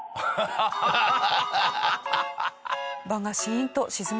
ハハハハ！